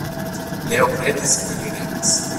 Leo kredis, ke li revas.